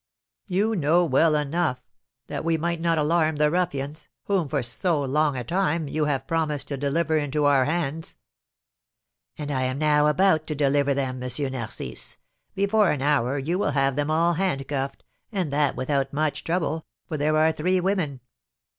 "You know well enough, that we might not alarm the ruffians, whom, for so long a time, you have promised to deliver into our hands." "And I am now about to deliver them, M. Narcisse; before an hour you will have them all handcuffed, and that without much trouble, for there are three women.